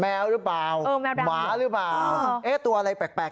แมวหรือเปล่าหมาหรือเปล่าตัวอะไรแปลก